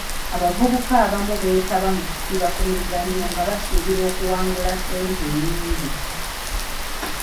Abavubuka abamu beetaaba mu kusiba ku mizannyo nga basuubira okuwangula ssente ennyingi .